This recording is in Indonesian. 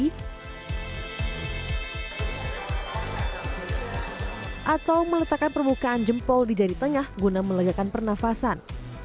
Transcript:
atau meletakkan permukaan jempol di jari tengah guna melegakan pernafasan